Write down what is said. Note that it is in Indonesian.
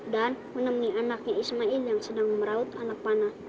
dan menemani anaknya ismail yang sedang meraut anak panah